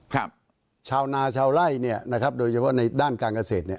ครับชาวนาชาวไล่โดยเฉพาะในด้านการเกษตร